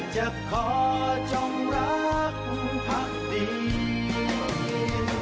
จะขอจงรักพักดี